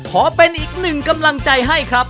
ขอเป็นอีกหนึ่งกำลังใจให้ครับ